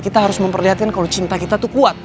kita harus memperlihatkan kalo cinta kita tuh kuat